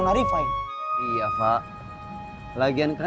ini sih ituickt